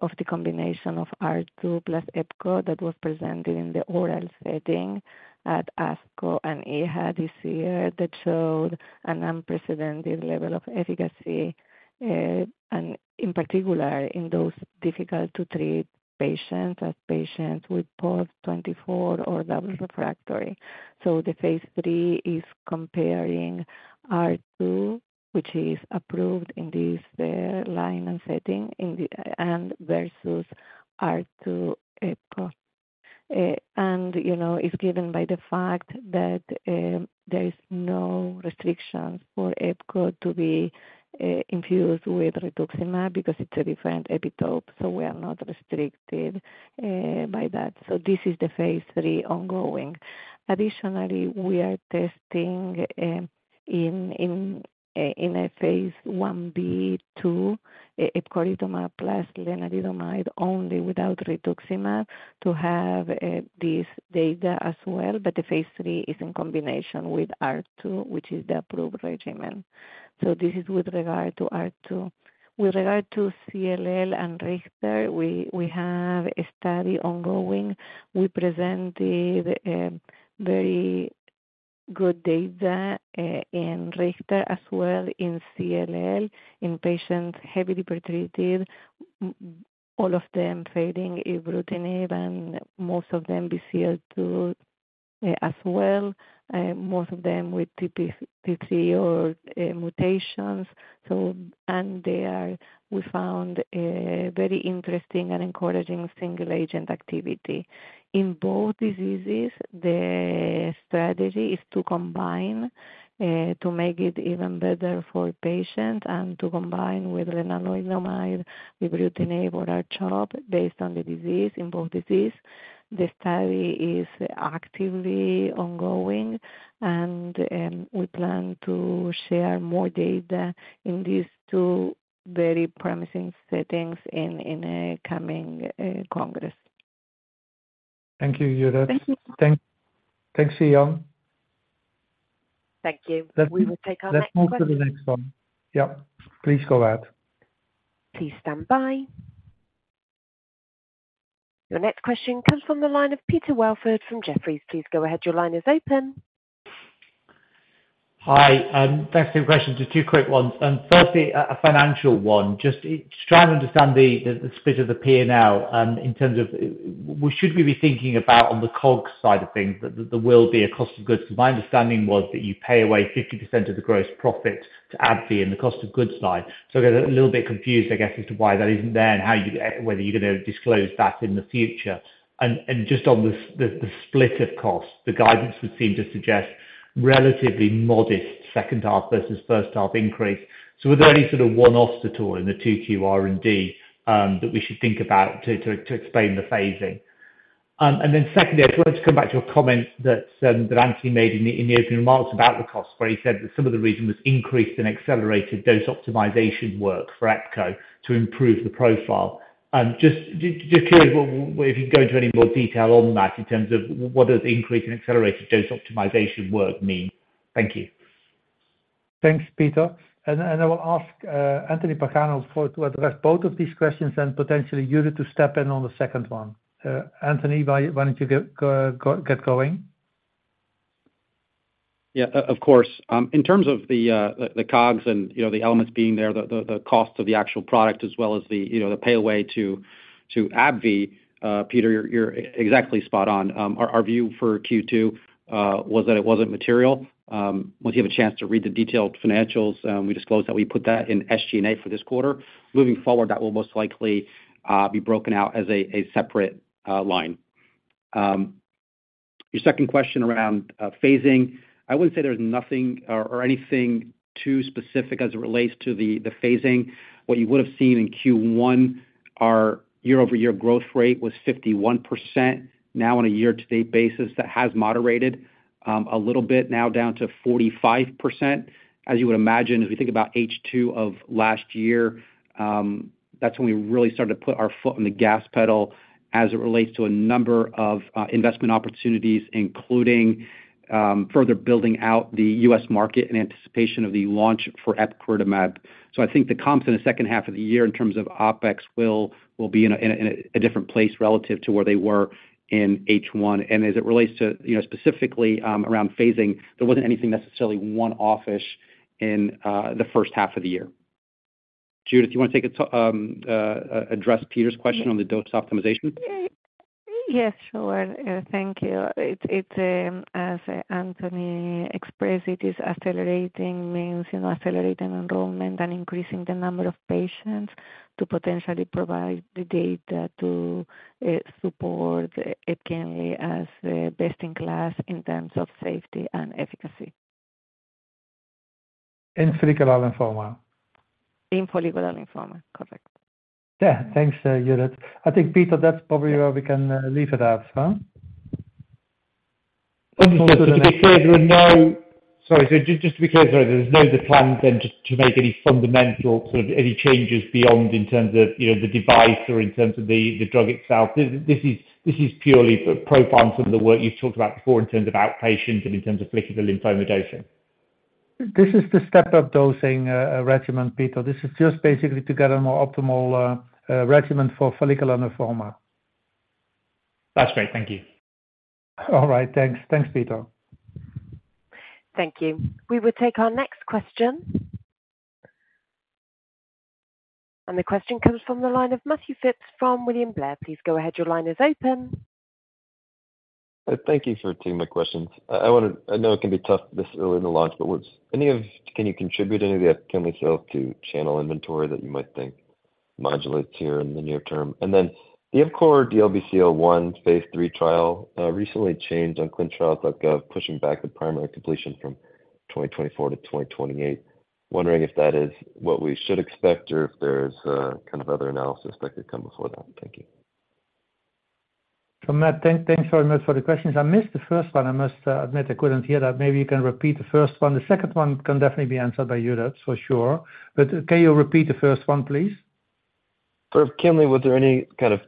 S9: of the combination of R2 plus Epco that was presented in the oral setting at ASCO and EHA this year, that showed an unprecedented level of efficacy, and in particular, in those difficult-to-treat patients, as patients with post-24 or double refractory. The phase 3 is comparing R2, which is approved in this, line and setting, in the, and versus R2 Epcor. You know, it's given by the fact that, there is no restrictions for Epcor to be, infused with Rituximab because it's a different epitope, so we are not restricted, by that. This is the phase 3 ongoing. Additionally, we are testing in a phase 1b/2 Epcoritamab plus lenalidomide, only without Rituximab, to have this data as well, but the phase 3 is in combination with R2, which is the approved regimen. This is with regard to R2. With regard to CLL and Richter, we have a study ongoing. We presented very good data in Richter as well in CLL, in patients heavily pretreated, all of them failing ibrutinib, and most of them BCL-2 as well, most of them with TP53 or mutations. There we found a very interesting and encouraging single-agent activity. In both diseases, the strategy is to combine, to make it even better for the patient and to combine with lenalidomide, ibrutinib or R-CHOP, based on the disease, in both disease. The study is actively ongoing, and we plan to share more data in these two very promising settings in, in a coming congress.
S2: Thank you, Judith.
S13: Thank you.
S2: Thanks, Xian.
S1: Thank you. We will take our next question.
S2: Let's move to the next one. Yep, please go ahead.
S1: Please stand by. Your next question comes from the line of Peter Welford from Jefferies. Please go ahead. Your line is open.
S14: Hi, thanks for the question. Just two quick ones. Firstly, a financial one, just trying to understand the split of the P&L, in terms of should we be thinking about on the COGS side of things, that there will be a cost of goods? Because my understanding was that you pay away 50% of the gross profit to AbbVie in the cost of goods side. I got a little bit confused, I guess, as to why that isn't there, and how you, whether you're gonna disclose that in the future. Just on the split of cost, the guidance would seem to suggest relatively modest second half versus first half increase. Are there any sort of one-offs at all in the Q2 R&D that we should think about to explain the phasing? Secondly, I just wanted to come back to a comment that, that Anthony made in the, in the opening remarks about the cost, where he said that some of the reason was increased and accelerated dose optimization work for Epco to improve the profile. Just curious if you can go into any more detail on that, in terms of what does the increase in accelerated dose optimization work mean? Thank you.
S2: Thanks, Peter. I will ask Anthony Pagano for to address both of these questions and potentially Judith to step in on the second one. Anthony, why don't you get get going?
S3: Yeah, of course. In terms of the, the COGS and, you know, the elements being there, the, the, the cost of the actual product, as well as the, you know, the pay away to, to AbbVie, Peter, you're exactly spot on. Our, our view for Q2 was that it wasn't material. Once you have a chance to read the detailed financials, we disclosed that we put that in SG&A for this quarter. Moving forward, that will most likely be broken out as a, a separate line. Your second question around phasing, I wouldn't say there's nothing or, or anything too specific as it relates to the, the phasing. What you would have seen in Q1, our year-over-year growth rate was 51%. Now, on a year-to-date basis, that has moderated a little bit, now down to 45%. As you would imagine, as we think about H2 of last year, that's when we really started to put our foot on the gas pedal as it relates to a number of investment opportunities, including further building out the U.S. market in anticipation of the launch for epcoritamab. I think the comps in the second half of the year, in terms of OpEx, will, will be in a, in a, in a different place relative to where they were in H1. As it relates to, you know, specifically, around phasing, there wasn't anything necessarily one-off in the first half of the year. Judith, do you want to address Peter's question on the dose optimization?
S9: Yeah. Yes, sure. Thank you. It's, as Anthony expressed, it is accelerating, means, you know, accelerating enrollment and increasing the number of patients to potentially provide the data to, support Epcor as, best in class in terms of safety and efficacy.
S2: In follicular lymphoma.
S9: In follicular lymphoma. Correct.
S2: Yeah. Thanks, Judith. I think, Peter, that's probably where we can leave it at, huh?
S14: Sorry, just to be clear, there's no plan then to, to make any fundamental, sort of, any changes beyond in terms of, you know, the device or in terms of the, the drug itself. This is purely for profile some of the work you've talked about before in terms of outpatients and in terms of follicular lymphoma dose.
S2: This is the step-up dosing regimen, Peter. This is just basically to get a more optimal regimen for follicular lymphoma.
S14: That's great. Thank you.
S2: All right. Thanks. Thanks, Peter.
S1: Thank you. We will take our next question. The question comes from the line of Matthew Phipps from William Blair. Please go ahead. Your line is open.
S15: Thank you for taking my questions. I, I wanna... I know it can be tough this early in the launch, but what's any of, can you contribute any of the Epcor sales to channel inventory that you might think modulates here in the near term? Then the Epcor DLBCL-1 phase III trial recently changed on clinicaltrials.gov, pushing back the primary completion from 2024 to 2028. Wondering if that is what we should expect or if there's kind of other analysis that could come before that. Thank you.
S2: Matt, thank, thank you very much for the questions. I missed the first one. I must admit I couldn't hear that. Maybe you can repeat the first one. The second one can definitely be answered by Judith, for sure, but can you repeat the first one, please?
S15: For EPKINLY, was there any kind of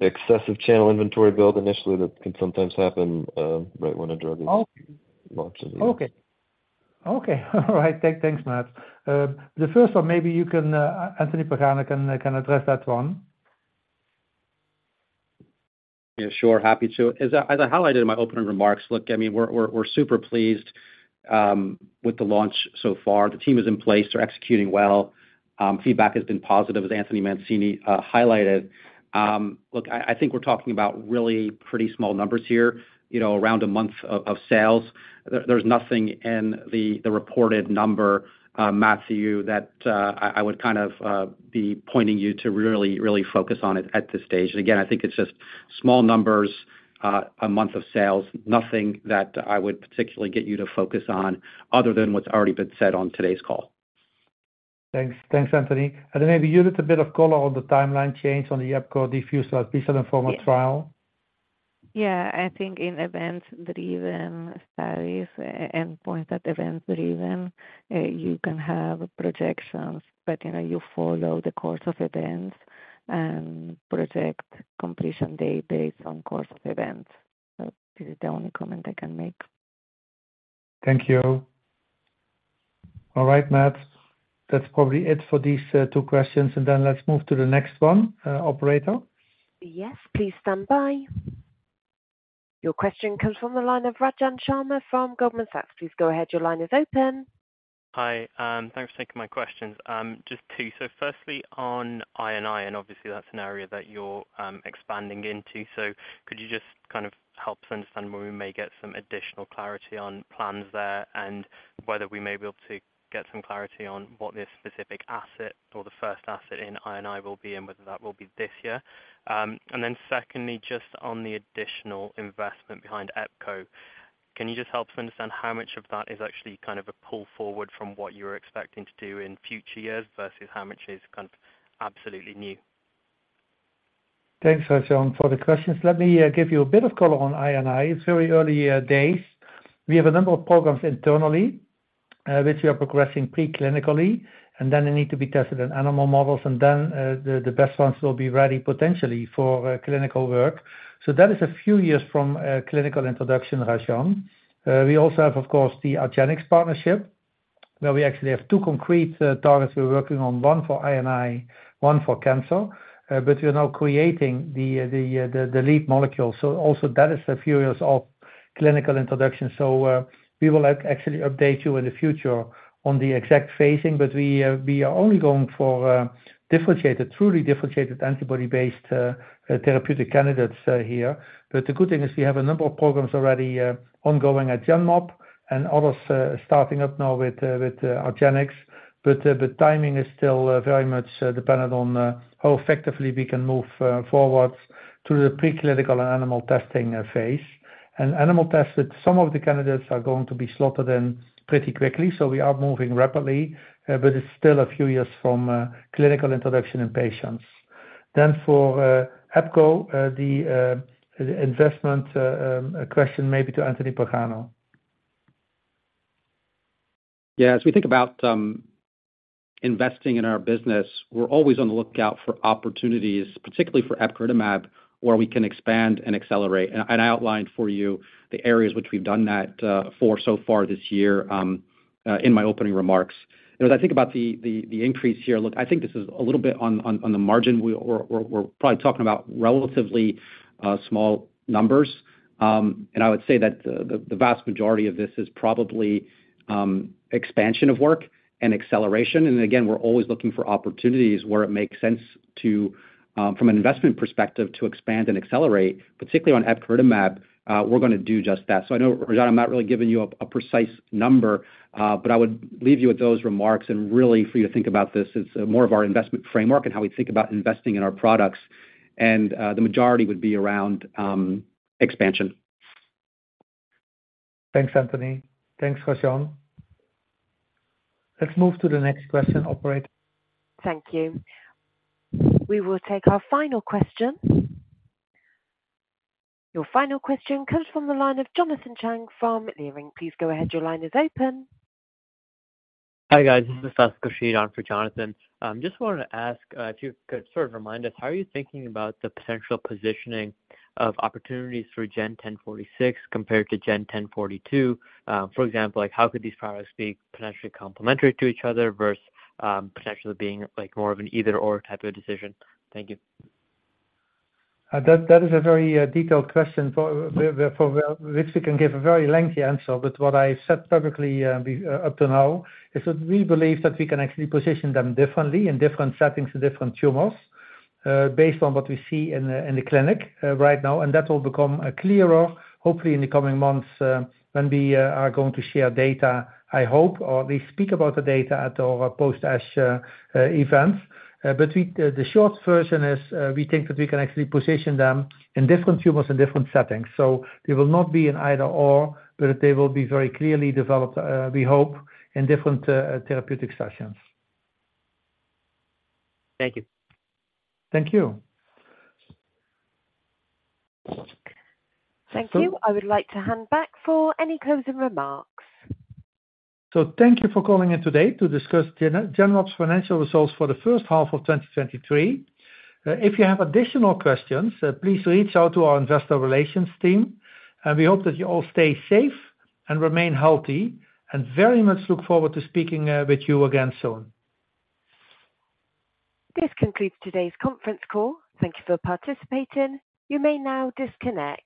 S15: excessive channel inventory build initially that can sometimes happen, right when a drug is launched?
S2: Okay. Okay. All right, thanks, Matt. The first one, maybe you can Anthony Pagano can address that one.
S3: Yeah, sure, happy to. As I, as I highlighted in my opening remarks, look, I mean, we're, we're, we're super pleased with the launch so far. The team is in place. They're executing well. Feedback has been positive, as Anthony Mancini highlighted. Look, I, I think we're talking about really pretty small numbers here, you know, around a month of sales. There, there's nothing in the, the reported number, Matthew, that I, I would kind of be pointing you to really, really focus on at, at this stage. Again, I think it's just small numbers, a month of sales, nothing that I would particularly get you to focus on other than what's already been said on today's call.
S2: Thanks. Thanks, Anthony. Then maybe, Judith, a bit of color on the timeline change on the Epcor diffused large B-cell lymphoma trial?
S9: Yeah, I think in event-driven studies, and points at event-driven, you can have projections, but, you know, you follow the course of events and project completion date based on course of events. This is the only comment I can make.
S2: Thank you. All right, Matt, that's probably it for these, two questions, and then let's move to the next one, operator.
S1: Yes, please stand by. Your question comes from the line of Rajan Sharma from Goldman Sachs. Please go ahead. Your line is open.
S16: Hi, thanks for taking my questions. Just two. Firstly, on I&I, and obviously that's an area that you're expanding into, so could you just kind of help us understand where we may get some additional clarity on plans there, and whether we may be able to get some clarity on what the specific asset or the first asset in I&I will be, and whether that will be this year? Secondly, just on the additional investment behind EPCO, can you just help us understand how much of that is actually kind of a pull forward from what you were expecting to do in future years, versus how much is kind of absolutely new?
S2: Thanks, Rajan, for the questions. Let me give you a bit of color on I&I. It's very early days. We have a number of programs internally which we are progressing pre-clinically, and then they need to be tested on animal models, and then the best ones will be ready potentially for clinical work. That is a few years from clinical introduction, Rajan. We also have, of course, the argenx partnership, where we actually have two concrete targets we're working on, one for I&I, one for cancer. But we are now creating the lead molecule. Also that is a few years of clinical introduction. We will actually update you in the future on the exact phasing. We are only going for differentiated, truly differentiated antibody-based therapeutic candidates here. The good thing is we have a number of programs already ongoing at Genmab and others starting up now with with argenx. The timing is still very much dependent on how effectively we can move forward through the pre-clinical and animal testing phase. Animal tested, some of the candidates are going to be slotted in pretty quickly, so we are moving rapidly, but it's still a few years from clinical introduction in patients. For EPCO, the investment question may be to Anthony Pagano.
S3: Yeah, as we think about investing in our business, we're always on the lookout for opportunities, particularly for epcoritamab, where we can expand and accelerate. I outlined for you the areas which we've done that for so far this year in my opening remarks. As I think about the, the, the increase here, look, I think this is a little bit on, on, on the margin. We're, we're probably talking about relatively small numbers. I would say that the, the vast majority of this is probably expansion of work and acceleration. Again, we're always looking for opportunities where it makes sense to from an investment perspective, to expand and accelerate, particularly on epcoritamab, we're gonna do just that. I know, Rajan, I'm not really giving you a precise number, but I would leave you with those remarks and really for you to think about this as more of our investment framework and how we think about investing in our products, and the majority would be around expansion.
S2: Thanks, Anthony. Thanks, Rajan. Let's move to the next question, operator.
S1: Thank you. We will take our final question. Your final question comes from the line of Jonathan Chang from Leerink. Please go ahead. Your line is open.
S17: Hi, guys. This is Faisal Khurshid on for Jonathan. just wanted to ask if you could sort of remind us, how are you thinking about the potential positioning of opportunities for GEN-1046 compared to GEN-1042? For example, like, how could these products be potentially complementary to each other versus potentially being, like, more of an either/or type of decision? Thank you.
S2: That, that is a very detailed question for which we can give a very lengthy answer. What I've said publicly, up to now is that we believe that we can actually position them differently in different settings to different tumors, based on what we see in the clinic right now. That will become clearer, hopefully, in the coming months, when we are going to share data, I hope, or at least speak about the data at our post-ASH events. The short version is, we think that we can actually position them in different tumors and different settings. It will not be an either/or, but they will be very clearly developed, we hope, in different therapeutic sessions.
S17: Thank you.
S2: Thank you.
S1: Thank you. I would like to hand back for any closing remarks.
S2: Thank you for calling in today to discuss Genmab's financial results for the first half of 2023. If you have additional questions, please reach out to our investor relations team, and we hope that you all stay safe and remain healthy, and very much look forward to speaking with you again soon.
S1: This concludes today's conference call. Thank you for participating. You may now disconnect.